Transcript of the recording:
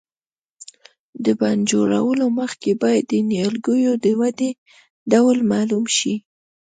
د بڼ جوړولو مخکې باید د نیالګیو د ودې ډول معلوم شي.